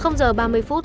không giờ ba mươi phút